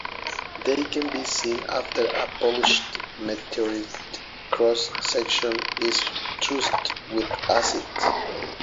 They can be seen after a polished meteorite cross-section is treated with acid.